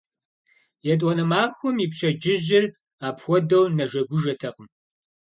ЕтӀуанэ махуэм и пщэдджыжьыр апхуэдэу нэжэгужэтэкъым.